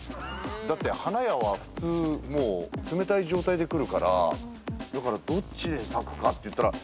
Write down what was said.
だって花屋は普通もう冷たい状態で来るからだからどっちで咲くかっていったら。